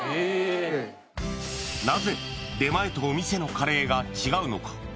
なぜ出前とお店のカレーが違うのか？